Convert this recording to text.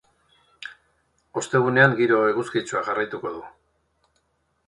Ostegunean giro eguzkitsuak jarraituko du.